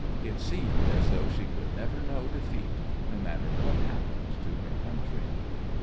It seemed as though she could never know defeat, no matter what happened to her country.